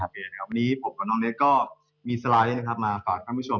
วันนี้ผมกับน้องเล็กก็มีสไลด์มาฝากทั้งผู้ชม